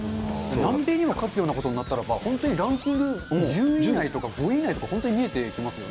南米にも勝つようなことになったらば、本当にランキング１０位以内とか、５位以内とか本当に見えてきますよね。